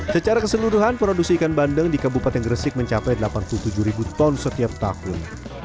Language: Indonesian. secara keseluruhan produksi ikan bandeng di kabupaten gresik mencapai delapan puluh tujuh ribu ton setiap tahun